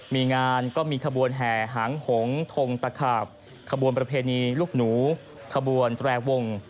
มีงานก็มีขบวนแห่หางหงทงตะขาบขบวนประเพณีลูกหนูขบวนแตรวง